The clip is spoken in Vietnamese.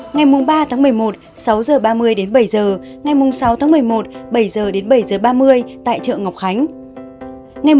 ngày ba một mươi một từ sáu h ba mươi đến bảy h ngày sáu một mươi một từ bảy h đến bảy h ba mươi tại chợ ngọc khái